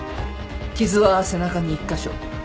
傷は背中に１カ所。